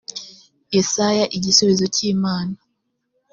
yesaya igisubizo cy imana